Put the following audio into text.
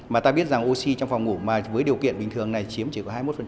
mà ta biết rằng oxy trong phòng ngủ mài với điều kiện bình thường này chiếm chỉ có hai mươi một